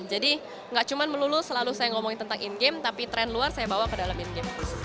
gak cuma melulu selalu saya ngomongin tentang in game tapi tren luar saya bawa ke dalam in game